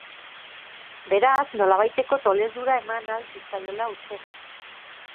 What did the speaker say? Beraz nolabaiteko tolesdura eman ahal zitzaiola uste da.